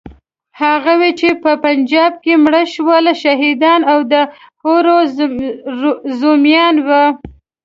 هغوی چې په پنجابۍ کې مړه شول، شهیدان او د حورو زومان وو.